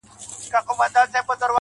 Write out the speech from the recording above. د ښایستونو خدایه سر ټیټول تاته نه وه.